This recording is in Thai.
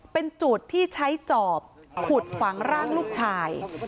เป็นจุดที่ใช้จอบขุดฝังร่างลูกชาย